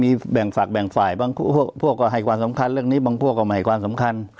มีแบ่งฝากแบ่งฝ่ายบางพวกก็ให้ความสำคัญเรื่องนี้บางพวกก็ไม่ให้ความสำคัญ